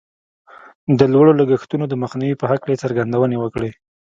د لوړو لګښتونو د مخنيوي په هکله يې څرګندونې وکړې.